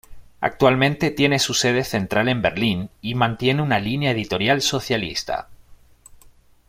Actualmente tiene su sede central en Berlín y mantiene una línea editorial socialista.